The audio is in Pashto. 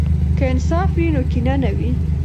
که انصاف وي، نو کینه نه وي.